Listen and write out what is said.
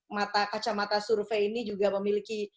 mata kacamata survei ini juga memiliki